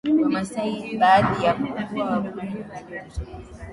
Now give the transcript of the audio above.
Wamasai baadhi ya koo za Wakurya wa leo zilitoka Umasai